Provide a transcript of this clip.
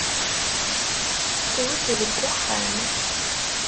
Tettwet deg uxxam.